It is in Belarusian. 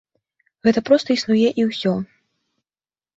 Гэта проста існуе і ўсё.